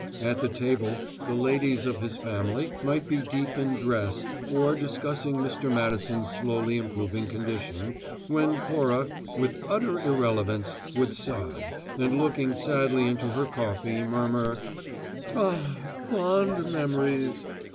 At the table, the ladies of his family might be deep in dress, or discussing Mr. Madison's slowly improving condition, when Cora, with utter irrelevance, would sigh, and, looking sadly into her coffee, murmur, "Ah, fond mem'ries!"